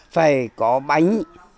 phải có bánh